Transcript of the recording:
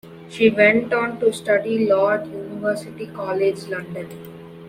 She went on to study law at University College London.